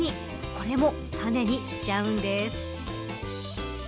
これも、たねにしちゃうんです。